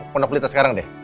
pondok pelita sekarang deh